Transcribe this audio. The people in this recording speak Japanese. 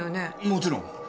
もちろん！